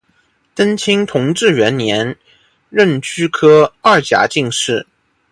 登清同治元年壬戌科二甲进士。